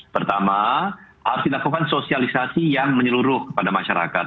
pertama harus dilakukan sosialisasi yang menyeluruh kepada masyarakat